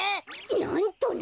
なんとな！